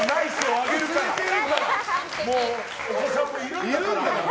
もう、お子さんもいるんだから。